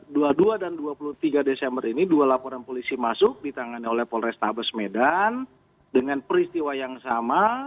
jadi dua puluh dua dan dua puluh tiga desember ini dua laporan polisi masuk di tangan oleh polrestabes medan dengan peristiwa yang sama